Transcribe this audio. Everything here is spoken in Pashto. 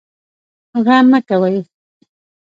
غم مه کوئ